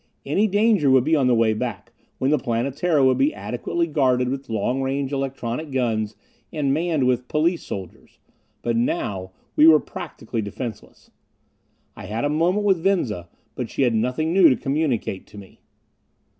Any danger would be upon the way back, when the Planetara would be adequately guarded with long range electronic guns, and manned with police soldiers. But now we were practically defenseless.... I had a moment with Venza, but she had nothing new to communicate to me.